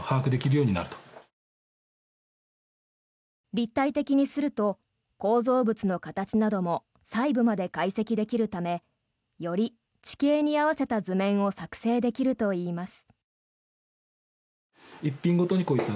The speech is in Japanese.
立体的にすると構造物の形なども細部まで解析できるためより地形に合わせた図面を作成できるといいます。